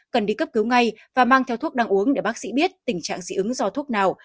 cần đi cấp cứu ngay và mang theo thuốc đang uống để bác sĩ biết tình trạng dị ứng do thuốc nào